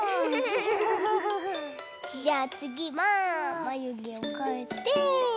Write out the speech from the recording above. じゃあつぎはまゆげをかえて。